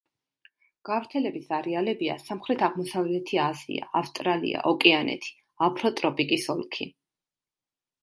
გავრცელების არეალებია სამხრეთ-აღმოსავლეთი აზია, ავსტრალია, ოკეანეთი, აფროტროპიკის ოლქი.